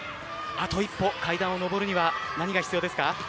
あと一歩、階段を上るには何が必要ですか？